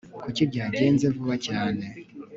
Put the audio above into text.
Kuki byagenze vuba cyane